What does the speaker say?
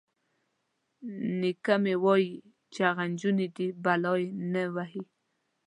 _نيکه مې وايي چې هغوی نجونې دي، بلا يې نه وهي.